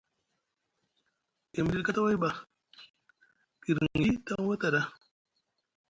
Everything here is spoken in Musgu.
E miɗiɗi kataway ɓa guirŋiɗi taŋ wataɗa?